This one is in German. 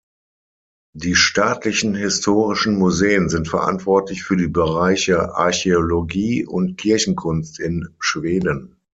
Die Staatlichen historischen Museen sind verantwortlich für die Bereiche Archäologie und Kirchenkunst in Schweden.